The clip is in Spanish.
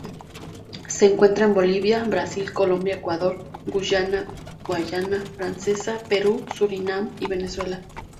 Se encuentra en Bolivia, Brasil, Colombia, Ecuador, Guyana, Guayana francesa, Perú, Surinam y Venezuela.